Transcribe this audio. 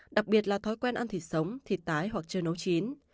đặc biệt là thói quen ăn thịt sống thịt tái hoặc chơi nấu chín